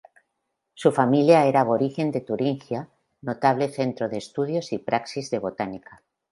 Su familia era aborigen de Turingia, notable centro de estudios y praxis de botánica.